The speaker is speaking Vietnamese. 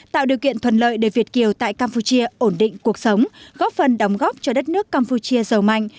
tạo điều kiện thuận lợi để việt kiều tại campuchia ổn định cuộc sống góp phần đóng góp cho đất nước campuchia giàu mạnh